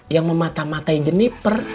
yang memata matai jeniper